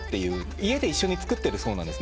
家で一緒に作ってるそうなんです。